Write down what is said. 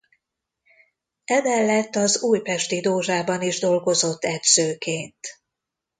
Emellett az Újpesti Dózsában is dolgozott edzőként.